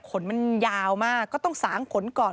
ขนมันยาวมากก็ต้องสางขนก่อน